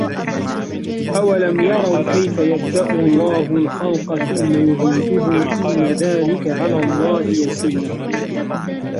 أَوَلَم يَرَوا كَيفَ يُبدِئُ اللَّهُ الخَلقَ ثُمَّ يُعيدُهُ إِنَّ ذلِكَ عَلَى اللَّهِ يَسيرٌ